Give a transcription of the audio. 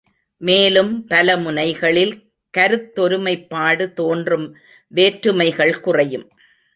மேலும் பல முனைகளில் கருத்தொருமைப்பாடு தோன்றும் வேற்றுமைகள் குறையும்.